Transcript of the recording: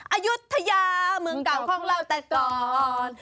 อายุทยาเมืองเก่าของเราแต่ก่อน